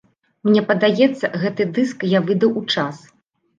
Мне падаецца, гэты дыск я выдаў у час.